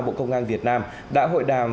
bộ công an việt nam đã hội đàm